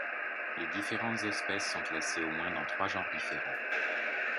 Les différentes espèces sont classées au moins dans trois genres différents.